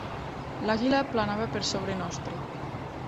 L'àguila planava per sobre nostre.